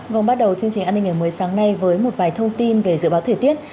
vâng bắt đầu chương trình an ninh ngày mới sáng nay với một vài thông tin về dự báo thời tiết